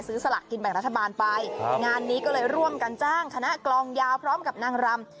สลักกินแบ่งรัฐบาลไปงานนี้ก็เลยร่วมกันจ้างคณะกลองยาวพร้อมกับนางรำ